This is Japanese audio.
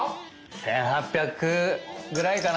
１，８００ぐらいかな。